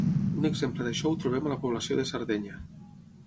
Un exemple d'això ho trobem a la població de Sardenya.